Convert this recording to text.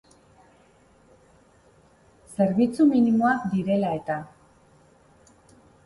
Zerbitzu minimoak direla eta.